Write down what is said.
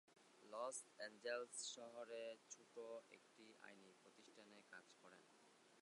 Loss Angeles শহরে ছোট একটি আইনি প্রতিষ্ঠানে কাজ করেন।